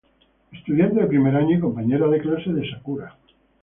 Estudiante de primer año, y compañera de clase de Sakura.